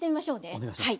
お願いします。